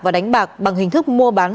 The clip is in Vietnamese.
và đánh bạc bằng hình thức mua bán